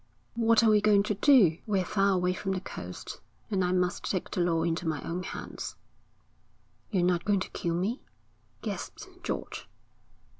'What are you going to do?' 'We're far away from the coast, and I must take the law into my own hands.' 'You're not going to kill me?' gasped George.